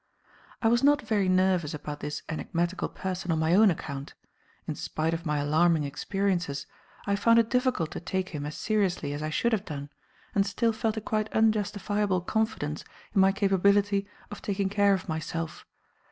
I was not very nervous about this enigmatical person on my own account. In spite of my alarming experiences, I found it difficult to take him as seriously as I should have done, and still felt a quite unjustifiable confidence in my capability of taking care of myself.